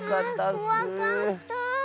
あこわかった！